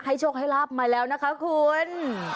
โชคให้ลาบมาแล้วนะคะคุณ